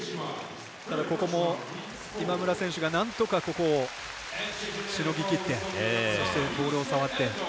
ここも、今村選手がなんとかここをしのぎきってそして、ボールを触って。